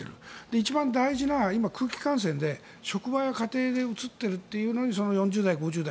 一番大事な今、空気感染で職場や家庭でうつっているというのにその４０代、５０代。